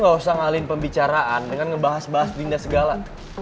gak usah ngalin pembicaraan dengan ngebahas bahas dinda segala